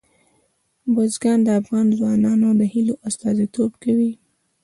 بزګان د افغان ځوانانو د هیلو استازیتوب کوي.